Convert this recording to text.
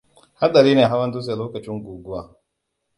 Haɗari ne hawa dutse lokacin guguwa.